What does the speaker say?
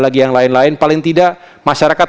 lagi yang lain lain paling tidak masyarakat